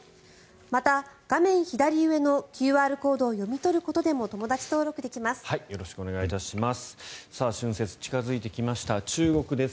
また、画面左上のＱＲコードを読み取ることでもよろしくお願いします。